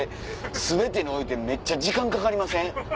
全てにおいてめっちゃ時間かかりません？